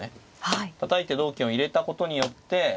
たたいて同金を入れたことによって。